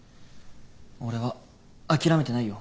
俺は諦めてないよ。